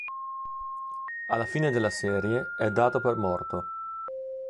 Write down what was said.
Alla fine della serie è dato per morto.